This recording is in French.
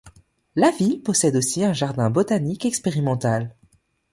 La ville possède aussi un jardin botanique expérimental.